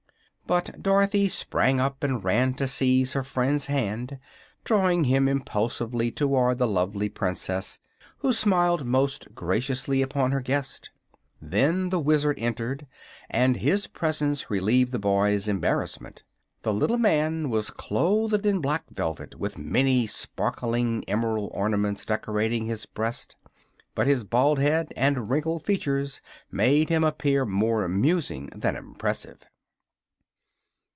But Dorothy sprang up and ran to seize her friend's hand, drawing him impulsively toward the lovely Princess, who smiled most graciously upon her guest. Then the Wizard entered, and his presence relieved the boy's embarrassment. The little man was clothed in black velvet, with many sparkling emerald ornaments decorating his breast; but his bald head and wrinkled features made him appear more amusing than impressive.